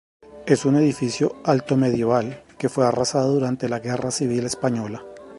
Es un edificio altomedieval, que fue arrasado durante la Guerra Civil Española.